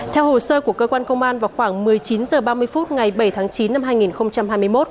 theo hồ sơ của cơ quan công an vào khoảng một mươi chín h ba mươi phút ngày bảy tháng chín năm hai nghìn hai mươi một